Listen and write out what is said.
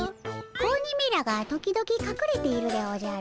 子鬼めらが時々かくれているでおじゃる。